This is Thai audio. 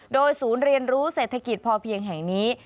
โดยศูนย์เรียนรู้เศรษฐกิจพอเพียงแห่งนี้